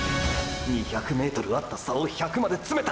２００ｍあった差を１００まで詰めた！！